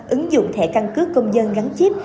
ứng dụng thẻ căn cứ công dân gắn chip